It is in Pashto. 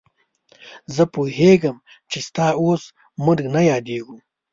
زه پوهېږم چې ستا اوس موږ نه یادېږو.